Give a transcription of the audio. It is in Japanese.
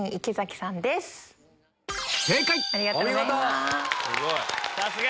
ありがとうございます。